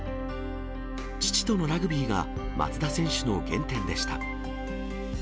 父とのラグビーが、松田選手の原点でした。